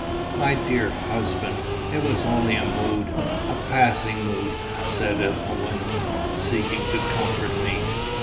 "My dear husband, it was only a mood a passing mood," said Ethelwyn, seeking to comfort me.